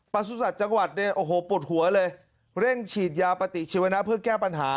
สุสัตว์จังหวัดเนี่ยโอ้โหปวดหัวเลยเร่งฉีดยาปฏิชีวนะเพื่อแก้ปัญหา